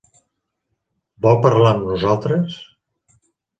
Vol parlar amb nosaltres?